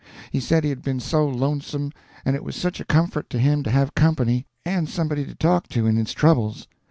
He said he had been so lonesome, and it was such a comfort to him to have company, and somebody to talk to in his troubles.